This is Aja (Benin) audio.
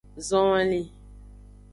Zonlin.